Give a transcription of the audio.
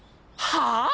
はあ！？